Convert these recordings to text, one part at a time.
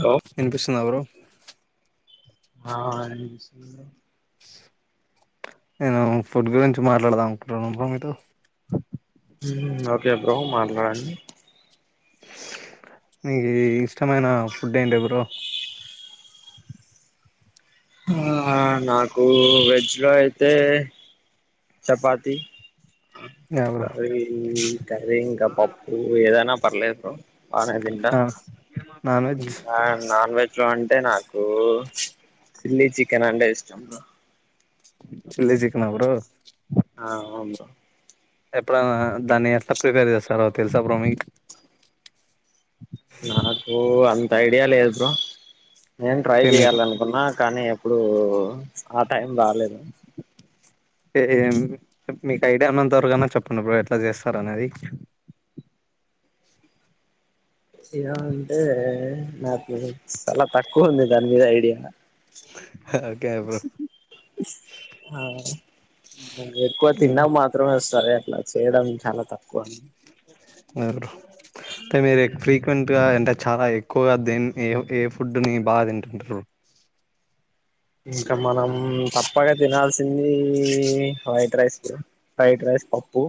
Hello వినిపిస్తుంద bro ఆ ఎనిపిస్తుంది బ్రో నేను ఫుడ్ గురించి మాట్లాడదాం అనుకుంటున్న బ్రో మీతో హు మ్ ఒకే బ్రో మాట్లాడండి మికీ ఇష్టమైన ఫుడ్ ఏంటి బ్రో హా నాకు వెజ్ లో అయితే chapati yeah bro curry curry ఇంకా పప్పు ఏదైనా పర్లేదు్ బ్రో బానే తింట ఆ నాన్ వెజ్ ఇంకా నాన్ వెజ్ లో అం టే నాకు చిల్లీ చికెన్ అంటే ఇష్టం బ్రో చిల్లీ చికన బ్రో ఆ అవును బ్రో ఎప్పుడనా దాన్ని ఎట్లా ప్రిపేర్ చేస్తారో తెలుసా బ్రో మీక్ తైడియా లేద్ బ్రో నేన్ ట్రై ఏ మీకు చేయాలనుకున్నా కానీ ఎప్పుడు ఆ టైం రాలేదు ఎ ఎమ్ మీకు ఐడియా ఉనంతవరకు చెప్పండి బ్రో ఎట్లా చేస్తరు అనేది ఎలా అంటే నాకు సాలా తక్కువుంది దాన్ మీద ఐడియా ఓకే బ్రో హ ఎక్కువ మ్ తిండం మాత్ రమే ఒస్ తరే అట్లా చేయ్ డమ్ చాలా తక్కువ బ్రో తామీర్ ఒక్ ఫ్రీక్వెంట్ గా ఎంతజ్ చాలా ఎక్కువగా దేన్ ఏ ఏ ఫుడ్డు ని బా తింటుంట్రూ బాగా తినాల్ సింది ఇ white rice bro fried rice పప్పు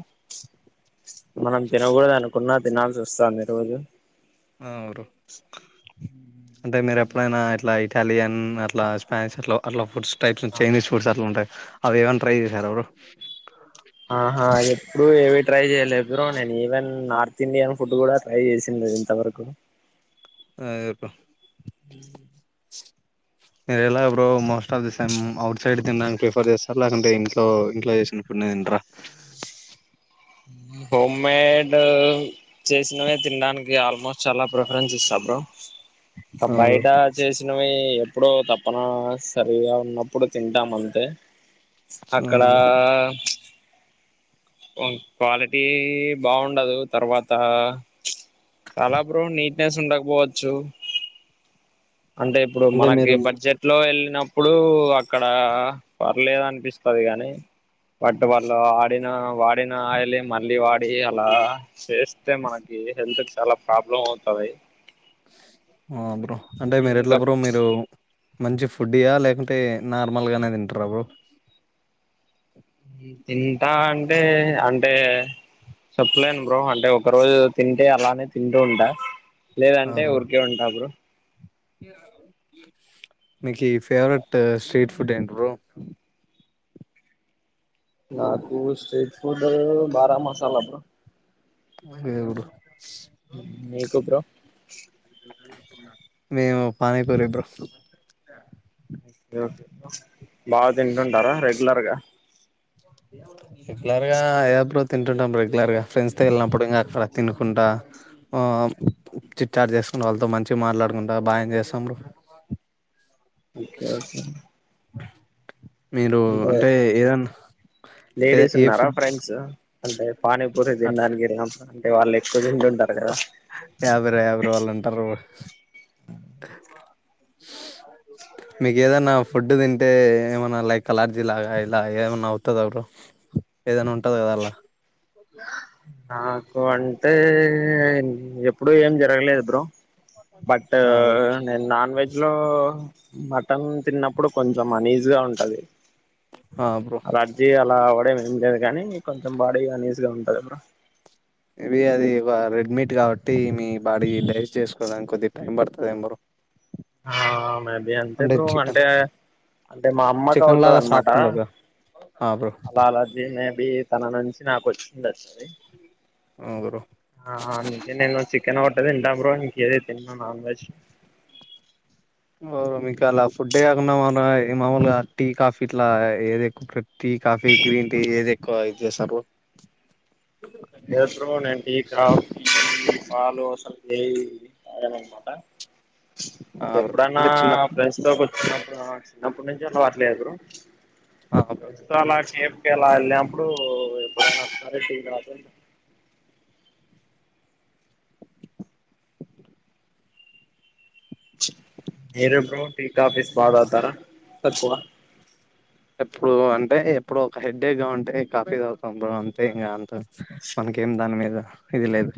మనం తినగోద్ అనుకున్నా తినాల్సి వోస్తాంది రోజు ఆ బ్రో అంటే మీర్ ఎప్ ట్లయినా ఇట్లా ఇటాలియన్ అట్లా స్పాష్ అట్లో అట్లా ఫుడ్స్ టైప్స్ చేనీస్ ఫుడ్స్ అట్లా ఉంటాయ్ అవేవన్ ట్రై చేశారా బ్రో ఆహా అదే ఇప్పుడు ఏవి ట్రై చేయలేదు బ్రో నేన్ ఈవెన్ నార్త్ ఇండియన్ ఫుడ్ కూడా ట్రై చేసింద్ లే ఇంతవరకు ఆయేపో మీర్ ఎలా bro most of the same outside తిన్ డానికి ప్రిఫర్ చేస్తార లేకంటే ఇంట్లో ఇంట్లో ఏశిన ఫుడ్ నచ్ లేద్ ఇంట్రా హోమేడు చేసినవే తిన్ డానికి ఆల్ మోస్ చాలా ప్రిఫరెన్స్ ఇస్తా బ్రో ఆ, తమ్ బ్రో. బయిట చేసినో వైయ్ ఎప్పుడో తప్పను సరిగా ఉన్నప్పుడు తింటాం అంతే అక్కడ ఆ ఓంగ్ క్వాలిటీ బాఉండదు తరువాత అలా బ్రో నీట్ నేస్ ఉండక్ పోవచ్చు అంటే ఇప్పుడు అంటే మనకి మీరు బడ్జెట్ లో ఎల్ న్నప్పుడు అక్కడా పర్లేదు అనిపిస్తది గాని పట్టు వాళ్ళు ఆడిన వాడిన ఆయిలె మళ్ళీ వాడి అలా చేస్తే మనకి ఏ హెల్ తుకు చాలా ప్రాబ్లం ఔతది ఆ బ్రో అంటే మీర్ ఎట్లా ఇంకా బ్రో మీరు మంచి ఫుడ్డి యా లేకుంటే నార్ మల్ గనే దింటార బో తింటా అంటే అంటే చెప్ లేన్ బ్రో అంటే ఒక రోజు తింటే అలానే తింటూ ఉంటా లేదంటే ఉర్ కే ఉంటా బ్రో మీకి ఫేవరెటు షీటు ఫుడ్ ఏంట్ బ్రో నాకు షీటు ఫూడు బారా మసాలా బ్రో ఏ ఊరు మీకు బ్రో మేవు పానీపూరి బ్రో యోకే బా దింటుంటారా రెగ్ లర్ గా ఇట్ లర్ గా యబ్రాద్ తింటుంటాం రెగ్యులర్గా ఫ్రెండ్స్ తొ వెళ్ళినప్పుడు ఇంకా అక్కడ తినుకుంటా హ్మ్ చిట్చాట్ చేసుకున్ వాళ్ళతో మంచిగా మాట్లాడుకుంటా బా ఎంజాయ్ చేస్తాం బ్రో ఒకే ఒకే మీరు అంటే ఏదనా లేడీస్ ఉన్నారా ఫ్రెండ్స్ అంటే పానీపూరి దిన్ అట్లా డానికి యేల్ నమ్ ఆహా అంటే వాళ్ ఎక్కు దింటుంటరు కదా యా బ్రో యా బ్రో వాళ్ళు అంటారు మీకి ఏదన్నా ఫుడ్డు దింటే ఏమన్నా లైక్ అలర్జీ లాగా ఇలా ఏవన్నా ఔతద బ్రో ఏదైనా ఉంటది గదా అల్లా నాకు అంటే ఎప్పుడు ఏం జరగలేదు బ్రో బట్ ఆ బ్రో నేన్ నాన్వెజ్ నాన్వేజ్లో మటన్ తిన్నప్పుడు కొంచెం అనీజ్గా ఉంటది ఆ బ్రో అలర్జి అలా అవ్వడం ఏం లేదు గానీ కొంచెం బాడీగా అనీజిగా ఉంటది బ్లో ఇది అది ఒక రెడ్ మీట్ కాబట్టి మీ బాడీ డైజెస్ట్ చేసుకోవడానికి కొద్దిగా టైం పడుతదేమో బ్రో ఆ మేబి అంతే బ్రో చికెన్ అంటే అంటే మా చికెన్ లాగా అమ్మకౌతందన్నమాట సాఫ్ట్ ఉండదుగా ఆ బ్రో అలా అలార్జి అది తన నుంచి నాకోచ్చిందచ్చు ఆ బ్రో ఆ నిక నేను చికెన్ ఓ టే తింట బ్రో ఇంకేది తిన నాన్ వెెజ్ మీకు అలా ఫుడ్డే కాకుండా మామూల్గా టీ కాఫీ ఇట్లా ఏది ఎక్కువ ప్రి టీ కాఫీ గ్రీన్టీ ఏదేక్కుగా ఇది జేస్తరు లేదు బ్రో నేను టీ కాఫి పాలు అసలు లేదు తాగన్ అన్నమాట ఆ బ్రో ఎప్పుడన్నా అంటే చిన్న ప్రెండ్స్తో కూర్చున్నప్పుడు చిన్నప్పటినుంచి అలవాట్లేదు బ్రో ఆ బ్రో ఫ్రెండ్స్ తో ఆలా కేఫ్కలా వెళ్ళినప్పుడు ఎప్పుడైనా ఒకసారి టీ కాఫీ మీరు బ్రో టీ కాఫీస్ బా తాగుతారా ఎప్పుడు అంటే ఎప్పుడు ఒక హెడ్డేక్గా ఉంటే కాఫీ తాగుతా బ్రో అంతే ఇంకా అంత మన ఇంకేం దాని మీద ఇది లేదు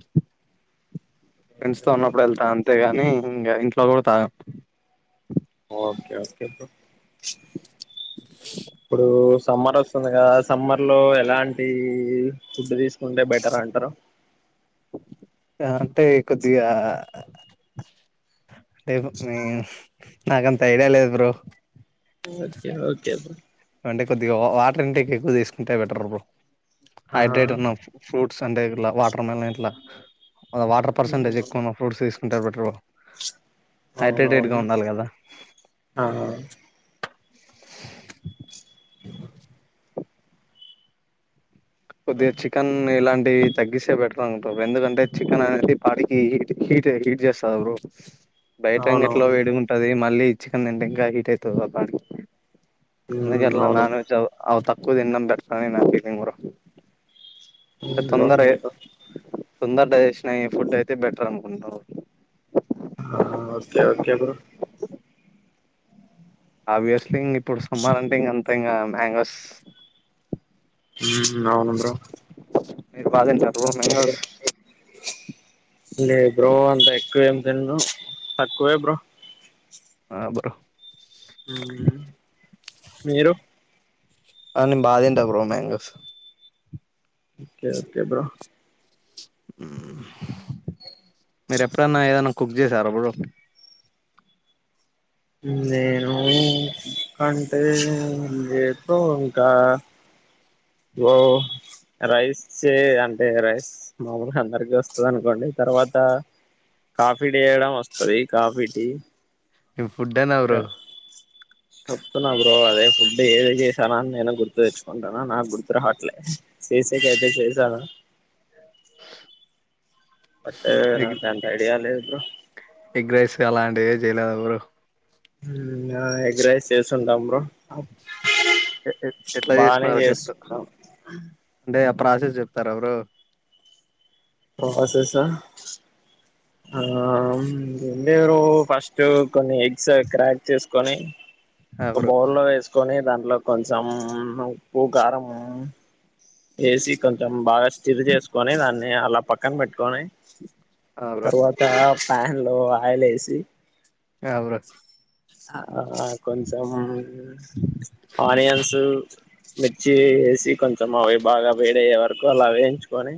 ఓకే ఫ్రెండ్స్తో బ్రో ఉన్నప్పుడు వెళ్తా అంతేగాని ఇంగా ఇంట్లో కూడా తాగను ఓకే ఓకే బ్రో ఇప్పుడు సమరొస్తుంది కదా సమ్మర్లో ఎలాంటి ఫుడ్ తీసుకుంటే బెటర్ అంటారు అంటే కొద్దిగా అంటే ఆహ్ నాకంత ఐడియా లేదు బ్రో ఓకే ఓకే బ్రో అంటే కొద్దిగా వాటర్ అంటే ఎ ఎక్కువ తీసుకుంటే బెటర్ బ్రో ఆ హైడ్రేట్ ఉన్నా ఫ్రూట్స్ అంటే ఇట్లా వాటర్ మెలన్ ఇట్లా ఆహ్ వాటర్ పర్సంటజ్ ఎక్కువున్నా ఫ్రూట్స్ తీసుకుంటే బెటర్ బ్రో హైడ్రేటెడ్గా అవునవును ఉండాలి కదా ఆ కొద్దిగా చికెన్ ఇలాంటి తగ్గిస్తే బెటర్ అనుకుటా ఎందుకంటే చికెన్ అనేది బాడికి హీట్ హీట్ హీట్ చేస్తాది బ్రో బయటయే ఎట్లో అవునవును వేడి ఉంటది మళ్ళీ చికన్ తింటే ఇంకా హీట్ అయితది బ్రో బాడీ మ్మ్ అందుకట్లే అవును నన్ వెజ్ అవ తక్కువ తినడం బెటర్ అన్ని నా ఫీలింగ్ బ్రో [unintelligible] తోందర డైజెస్న్ అయే ఫుడైతే బెటర్ అనుకుంటా బ్రో ఆహ్ ఓకే ఓకే బ్రో హౌయస్లీ ఇగ ఇప్పుడు సమ్మరంటే ఇంగ అంత ఇంగా మ్యాంగోస్. ఉమ్ అవును బ్రో. మీరు బాగతింటారా బ్రో మ్యాంగోస్. లేదు బ్రో అంత ఎక్కువేం తింన్ను తక్కువే బ్రో. ఆ బ్రో మ్మ్ మీరు ఆ నేన్ బా తింటా bro mangoes okay okay bro ఉమ్. ఉమ్. మీరు ఎప్పుడన్నా ఏదన్నా కుక్ చేసార బ్రో. నేనూ అంటే లేదు బ్రో ఇంకా. బ్రో రెస్సే అంటే రైస్ మామూలుగా అందరికి వస్తది అనుకోండి. తర్వాత కాఫీ చేయడం వస్తది కాఫీ టీ. నేను ఫుడ్ అనా బ్రో క వాత్తునా బ్రో. అదే ఫుడ్ ఏదేధ్ చేశానా అని నేను గుర్తు తెచ్చుకుంటునాను నాకు గుర్తు రావట్లే చేసేక అయితే చేశాను. ఆహ్. అంటే నాకు అంత ఐడియా లేదు బ్రో. ఎగ్ రైస్ గా అలాంటివి ఏవి చేయలేద బ్రో. ఇంకా ఎగ్ రైస్ చేసుంటాం బ్రో. ఏం ఎట్లా బానే చేశ్నవో చెప్పు చేస్తున్నాం అంటే. ప్రాసెస్ చెప్తార బ్రో. ప్రాసెసా. ఆహ్ ముందే బ్రో ఫస్ట్ కొన్ని ఎగ్స్ క్రాక్ చేసుకొని. ఆ ఒక బ్రో బౌలో వేసుకొని దాంట్లో కొంచెం ఉప్పు కారం. వేసి కొంచెం బాగా స్టిర్ చేసుకొని దాన్ని అలా పక్కన పెట్టుకొని. ఆ బ్రో తర్వాత ప్యాన్ లో ఆయిల్ ఏసి. ఆవ్ బ్రో. ఆహ్ కొంచెం ఆనియన్సు. మిర్చి వేసి కొంచెం అవి బాగా వేడయే వరకు అలా వేయించుకొని.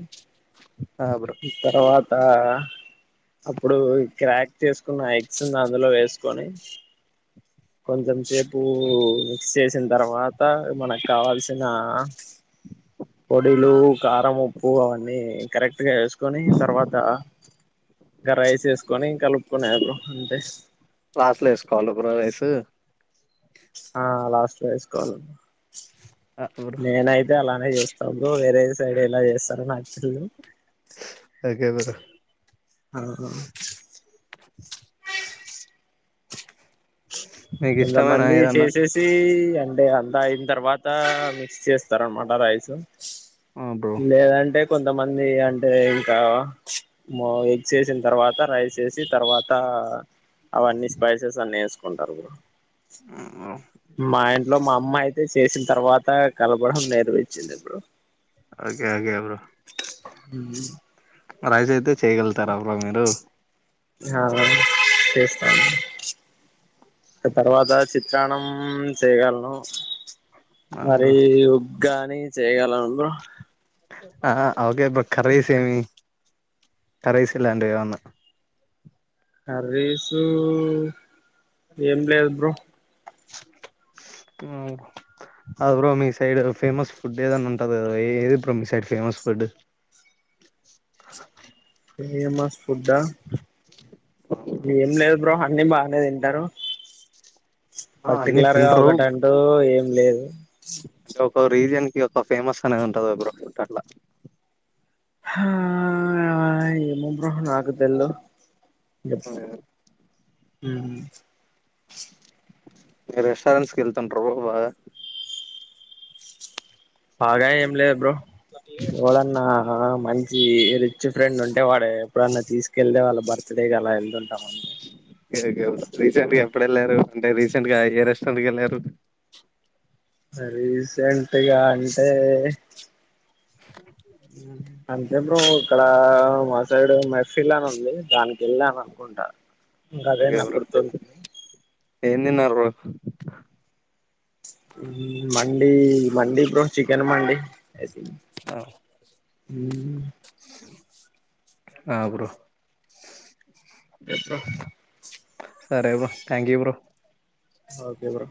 ఆ బ్రో ఈ తరువాత. అప్పుడు క్రాక్ చేసుకున్న ఎగ్స్ను అందులో వేసుకొని. కొంచెం సేపు మిక్స్ చేసిన తర్వాత మనకు కావాల్సినా. పొడిలు కారం ఉప్పు అవన్నీ కరెక్ట్. గా వేసుకొని తర్వాత ఆహ్ రైస్ వేసుకొని కలుపు. కునేది బ్రో అంతే. లాస్ట్ లో వేసుకోవాలి బ్రో రైస్ ఆహ్ లాస్ట్ వేసుకోవాలి ఆ బ్రో నేనైతే అలానే చేస్తా. స్త బ్రో వేరే సైడ్ ఎలా చేస్తారో నాకు తెల్వదు. గెవరు. ఆహా. మీకు ఇష్టమైన కొంతమంది ఏదన్నా చేసేసీ. అంటే అంతా అయిన తర్వాత మిక్స్ చేస్తారనమాట రైస్. ఆ బ్రో లేదంటే. కొంతమంది అంటే ఇంకా ఎగ్స్ వేసిన తర్వాత రైస్ వేసి తర్వాత. అవన్నీ స్పైసెస్ అన్ని వేసుకుంటారు బ్రో. ఉమ్. మా ఇంట్లో మా అమ్మ అయితే చేసిన తర్వాత కలపడం నేర్వించింది bro. Okay okay bro rice అయితే చేయ్యగల. తార బ్రో మీరు ఆ చేస్తా ఆ తర్వాత చిత్రాన్నం చేయగలను ఆ మరి బ్రో ఉగ్గానీ చేయగలన్ బ్రో ఆ ఓకే బ్రో కర్రీస్ ఏమి కర్రీస్ ఇలాంటివి ఏమన్నా కర్రీసు ఏం లేదు బ్రో. ఉమ్. ఆహ్ బ్రో మీ సైడ్ ఫేమస్ ఫుడ్ ఏదన్నా ఉంటది కద ఎ ఎది బ్రో మీ సైడ్ ఫేమస్ ఫుడ్. ఫేమస్ ఫుడా. ఏం లేదు బ్రో అన్ని బానే తింటారు ఆ, అన్ని పర్టికులర్ గా ఒకటంటూ ఏం లేదు ఒకో రీజియన్ కి ఒక ఫేమస్ అనేది ఉంటది గ బ్రో అట్లా హా ఏమో బ్రో నాకు తెల్దు మ్ ఇ రెస్టారెంట్స్కి కేళ్తుంటరు బ్రో బాగా బాగా ఎం లెద్ బ్రో ఎవడన్నా మ మంచి రిచ్ ఫ్రెండ్ ఉంటే వాడు ఎప్పుడన్నా తీసుకెళ్తే వాళ్ళ బర్త్డేకలా ఏళ్తుంటాం ఒకే ఒకే బ్రో రీసెంట్ గ ఎ ఎప్పుడెల్లరు అంటే రీసెంట్ గా ఏ రెస్టారెంట్ కెల్లారు రీసెంట్ గా అంటే అంతే బ్రో ఇక్కడ మా సైడ్ మేఫిల అని ఉంది దానికేళ్లను అనుకుంటా ఇంకా అదే ఓకే నా బ్రో గుర్తుంది ఏం తిన్నర్ బ్రో హ్మ్ మండీ మండి bro chicken mandi I see మ్ ఆ బ్రో చెప్ బ్రో సరే bro thank you bro okay bro